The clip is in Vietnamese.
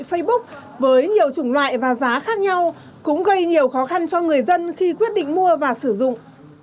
facebook với nhiều chủng loại và giá khác nhau cũng gây nhiều khó khăn cho người dân khi quyết định mua và sử dụng